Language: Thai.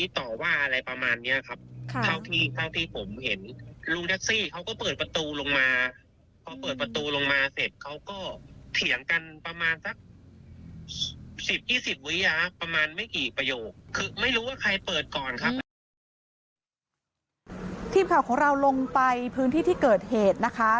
ทีมข่าวของเราลงไปพื้นที่ที่เกิดเหตุนะคะ